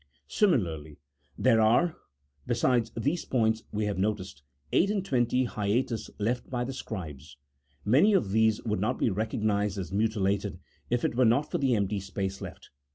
Similarly there are (besides those points we have noticed) eight and twenty hiatus left by the scribes. Many of these would not be recognized as mutilated if it were not for the empty space left.